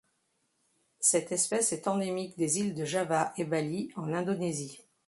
Cette espèce est endémique des îles de Java et Bali en Indonésie.